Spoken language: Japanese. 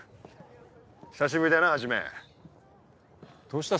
久しぶりだな始どうした？